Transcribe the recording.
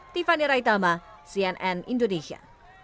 tiffany raitama cnn indonesia